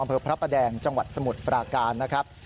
พระประแดงจังหวัดสมุทรปราการนะครับ